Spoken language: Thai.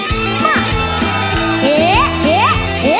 เอาค่าเสียงซักนี้ได้แล้ว